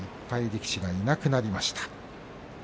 力士がいなくなりました。